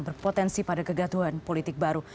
berpotensi pada kegaduhan politik baru